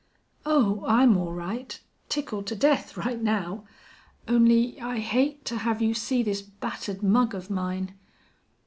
"Oh, I'm all right. Tickled to death, right now. Only, I hate to have you see this battered mug of mine."